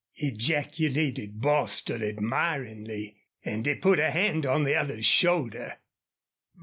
ejaculated Bostil, admiringly, and he put a hand on the other's shoulder.